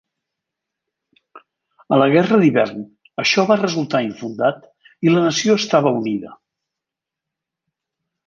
A la Guerra d'Hivern això va resultar infundat i la nació estava unida.